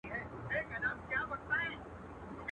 ځواني نه پټېږي.